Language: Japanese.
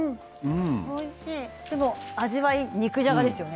味わいは肉じゃがですよね。